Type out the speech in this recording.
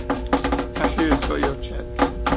Cashier's got your check.